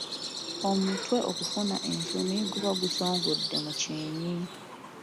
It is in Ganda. Omutwe okufuna ensomi guba gusongodde mu kyennyi.